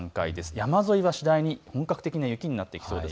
山沿いは次第に本格的な雪になってきそうです。